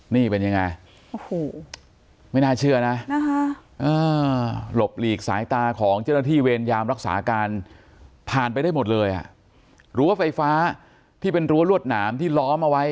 นี่เป็นยังไงโอ้โห